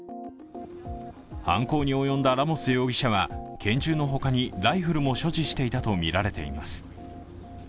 犯行に及んだラモス容疑者は拳銃のほかに、ライフルも所持していたとみられています。